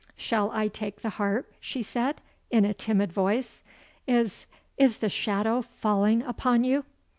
"Shall I take the harp?" she said, in a timid voice; "is is the shadow falling upon you?"